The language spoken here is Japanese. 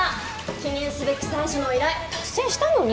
記念すべき最初の依頼達成したのに。